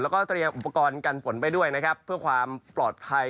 แล้วก็เตรียมอุปกรณ์กันฝนไปด้วยนะครับเพื่อความปลอดภัย